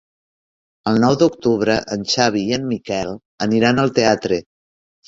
El nou d'octubre en Xavi i en Miquel aniran al teatre.